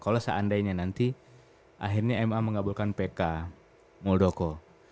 kalau seandainya nanti akhirnya ma mengabulkan pk muldoko